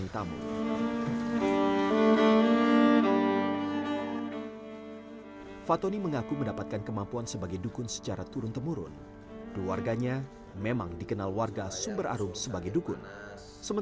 dan elk aren bio jadi kemenangan tulang daerah because